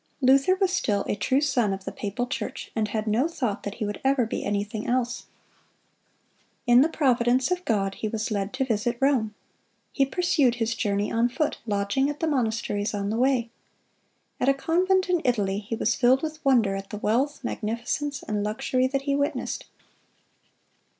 Luther was still a true son of the papal church, and had no thought that he would ever be anything else. In the providence of God he was led to visit Rome. He pursued his journey on foot, lodging at the monasteries on the way. At a convent in Italy he was filled with wonder at the wealth, magnificence, and luxury that he witnessed.